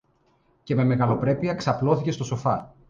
Και με μεγαλοπρέπεια ξαπλώθηκε στο σοφά.